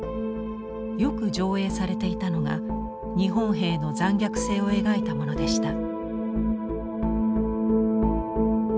よく上映されていたのが日本兵の残虐性を描いたものでした。